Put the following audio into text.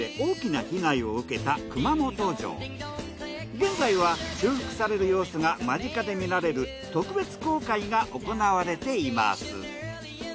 現在は修復される様子が間近で見られる特別公開が行われています。